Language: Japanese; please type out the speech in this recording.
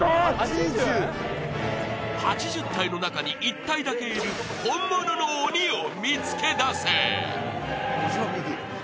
８０体の中に１体だけいる本物の鬼を見つけだせ！